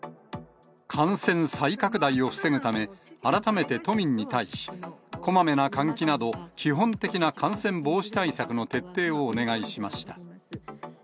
感染再拡大を防ぐため、改めて都民に対し、こまめな換気など、基本的な感染防止対策の徹底をお願いしました。